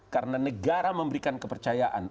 karena negara memberikan kepercayaan